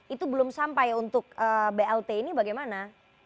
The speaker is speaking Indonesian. itu belum sampai untuk blt ini bagaimana